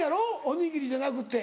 おにぎりじゃなくって。